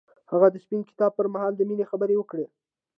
هغه د سپین کتاب پر مهال د مینې خبرې وکړې.